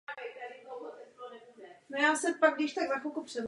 O mláďata i hnízdo se stará samice.